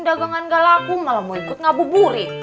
dagangan gak laku malah mau ikut ngamu burit